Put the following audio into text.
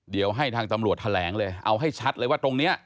เดี๋ยวให้ทางตำรวจแถลงเลยเอาให้ชัดเลยว่าตรงนี้